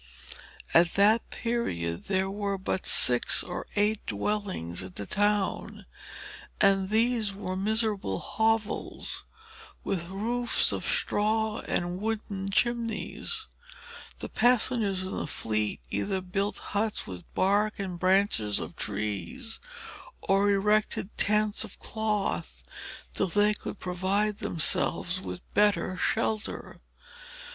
At that period there were but six or eight dwellings in the town; and these were miserable hovels, with roofs of straw and wooden chimneys. The passengers in the fleet either built huts with bark and branches of trees, or erected tents of cloth till they could provide themselves with better shelter.